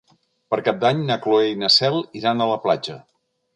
Per Cap d'Any na Cloè i na Cel iran a la platja.